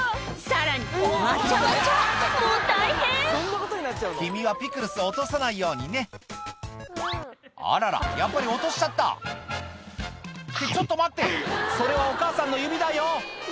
さらにわちゃわちゃもう大変君はピクルス落とさないようにねあららやっぱり落としちゃったってちょっと待ってそれはお母さんの指だよ！